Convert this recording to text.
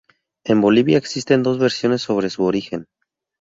En Bolivia existen dos versiones sobre su origen.